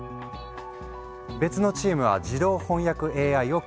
別のチームは自動翻訳ＡＩを研究。